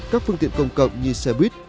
các phương tiện công cộng như xe buýt